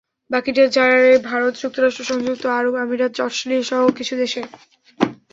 বাকিটা যায় ভারত, যুক্তরাষ্ট্র, সংযুক্ত আরব আমিরাত, অস্ট্রেলিয়াসহ আরও কিছু দেশে।